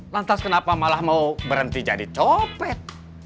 lantas kenapa malah mau berhenti jadi copet